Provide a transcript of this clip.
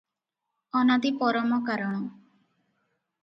ଅନାଦି ପରମକାରଣ ।